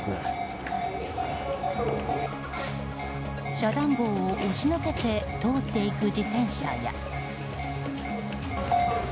遮断棒を押しのけて通っていく自転車や。